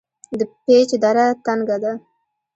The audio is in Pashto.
د پیج دره تنګه ده